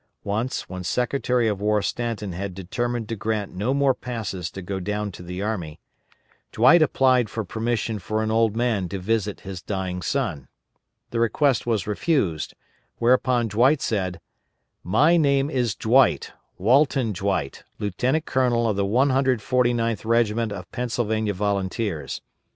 Once, when Secretary of War Stanton had determined to grant no more passes to go down to the army, Dwight applied for permission for an old man to visit his dying son. The request was refused; whereupon Dwight said: _"My name is Dwight, Walton Dwight, Lieutenant Colonel of the 149th Regiment of Pennsylvania Volunteers.